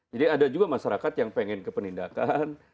jadi ada juga masyarakat yang ingin ke penindakan